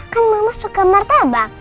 kan mama suka martabak